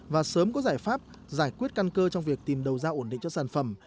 và sớm có giải pháp giải quyết căn cơ trong việc tìm đầu ra ổn định cho sản phẩm